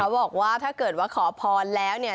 บอกว่าถ้าเกิดว่าขอพรแล้วเนี่ย